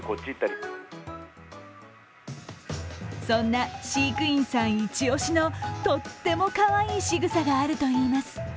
そんな飼育員さんイチ押しの、とってもかわいいしぐさがあるといいます。